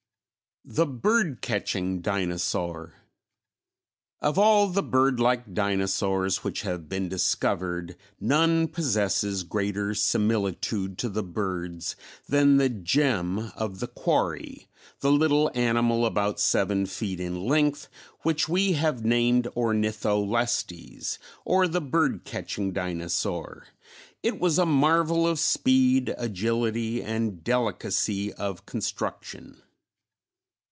The Bird Catching Dinosaur. Of all the bird like dinosaurs which have been discovered, none possesses greater similitude to the birds than the gem of the quarry, the little animal about seven feet in length which we have named Ornitholestes, or the "bird catching dinosaur." It was a marvel of speed, agility, and delicacy of construction.